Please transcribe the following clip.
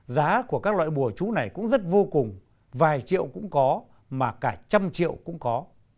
giá của các loại bùa chú này cũng rất vô cùng vài triệu cũng có mà cả trăm triệu cũng có